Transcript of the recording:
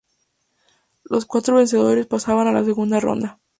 Los cuatro vencedores pasaban a la segunda ronda.